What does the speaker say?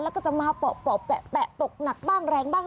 แล้วก็จะมาเปาะแปะตกหนักบ้างแรงบ้าง